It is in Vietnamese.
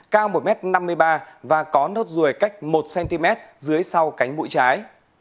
cao một m năm mươi ba và có nốt ruồi cách một cm dưới sau cánh mũi trái